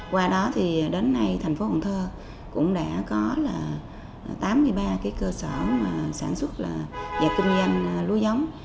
qua đó thì đến nay thành phố cần thơ cũng đã có tám mươi ba cái cơ sở mà sản xuất và kinh doanh lúa giống